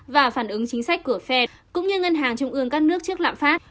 và phản ứng chính sách của fed cũng như ngân hàng trung ương các nước trước lạm phát